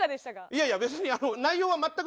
いやいや別に。